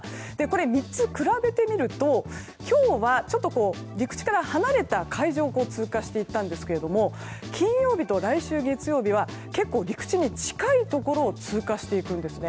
３つ比べてみると今日はちょっと陸地から離れた海上を通過していったんですけれども金曜日と来週月曜日は結構、陸地に近いところを通過していくんですね。